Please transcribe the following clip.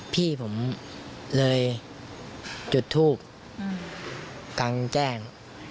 พี่ผมเลยจุดทูบกลางแจ้ง